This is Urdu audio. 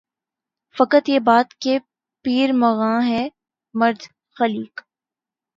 فقط یہ بات کہ پیر مغاں ہے مرد خلیق